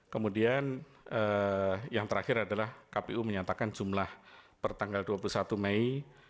kemudian yang terakhir adalah kpu menyatakan jumlah per tanggal dua puluh satu mei dua ribu delapan belas